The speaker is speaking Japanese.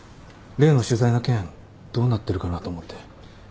例の取材の件どうなってるかなと思って。